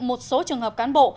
một số trường hợp cán bộ